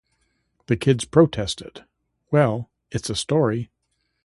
The kids protested: Well, it's a story.